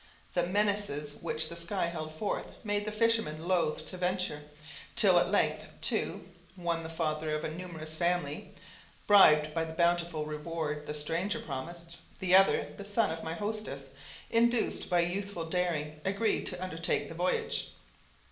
The menaces which the sky held forth made the fishermen loathe to venture, till at length two, one the father of a numerous family, bribed by the bountiful reward the stranger promised the other, the son of my hostess, induced by youthful daring, agreed to undertake the voyage.